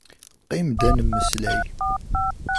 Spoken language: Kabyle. Qim-d ad nemmeslay.